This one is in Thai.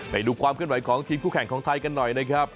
ไปดูความเคลื่อนไหวของทีมคู่แข่งของไทยกันหน่อยนะครับ